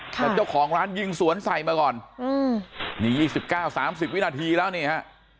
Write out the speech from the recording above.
แต่เจ้าของร้านยิงสวนใส่มาก่อนนี่๒๙๓๐วินาทีแล้วนี่ฮะ